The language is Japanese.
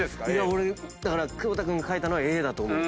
俺だから久保田君が書いたのはＡだと思う。